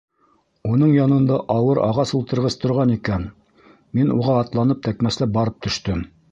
Уның янында ауыр ағас ултырғыс торған икән, мин уға атланып тәкмәсләп барып төштөм.